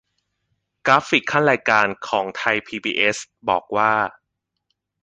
กราฟิกคั่นรายการของไทยพีบีเอส บอกว่า